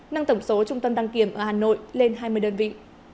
nâng tổng số trung tâm đăng kiểm ở hà nội lên hai mươi đơn vị